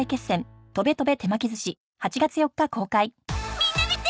みんな見て！